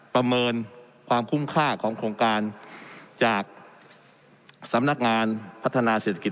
ประเมินความคุ้มค่าของโครงการจากสำนักงานพัฒนาเศรษฐกิจ